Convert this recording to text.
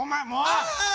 あ！